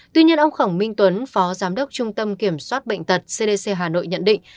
tuy nhiên ông khổng minh tuấn phó giám đốc trung tâm kiểm soát bệnh tật cdc hà nội nhận định